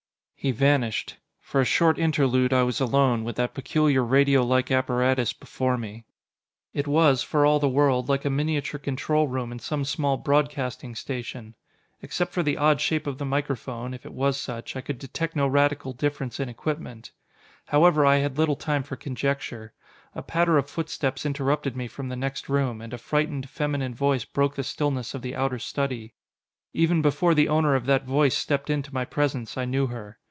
He vanished. For a short interlude I was alone, with that peculiar radio like apparatus before me. It was, for all the world, like a miniature control room in some small broadcasting station. Except for the odd shape of the microphone, if it was such I could detect no radical difference in equipment. However, I had little time for conjecture. A patter of footsteps interrupted me from the next room, and a frightened, feminine voice broke the stillness of the outer study. Even before the owner of that voice stepped in to my presence, I knew her.